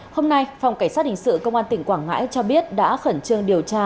hôm nay phòng cảnh sát hình sự công an tỉnh quảng ngãi cho biết đã khẩn trương điều tra